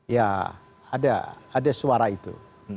ya ada suara itu